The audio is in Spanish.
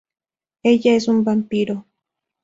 Ella es un vampiro.